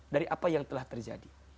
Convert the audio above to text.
dari apa yang telah terjadi